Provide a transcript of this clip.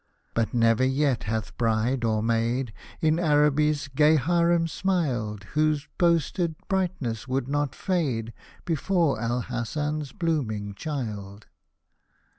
But never yet hath bride or maid In Araby'S gay Harem smiled. Whose boasted brightness would not fade Before Al Hassan's blooming child.